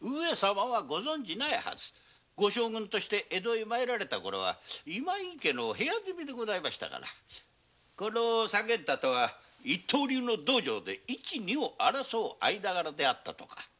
ご存じないハズ御将軍として江戸へ参られたころは今井家の部屋住みでございましたから左源太とは一刀流の道場で一二を争う間柄であったとか。